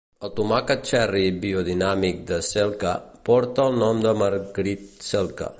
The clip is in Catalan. El tomàquet cherry biodinàmic de Selke porta el nom de Margrit Selke.